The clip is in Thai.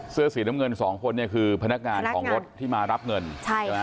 เสื้อสีน้ำเงินสองคนเนี่ยคือพนักงานของรถที่มารับเงินใช่ใช่ไหม